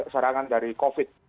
serangan dari covid